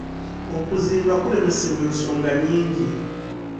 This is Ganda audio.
Okuzimba kulemesebwa ensonga nnyingi.